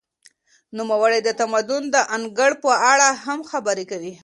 نوموړی د تمدن د انګړ په اړه هم خبري کوي.